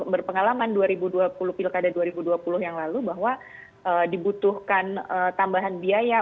berpengalaman dua ribu dua puluh pilkada dua ribu dua puluh yang lalu bahwa dibutuhkan tambahan biaya